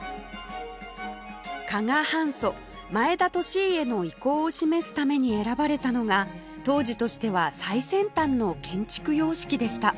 加賀藩祖前田利家の威光を示すために選ばれたのが当時としては最先端の建築様式でした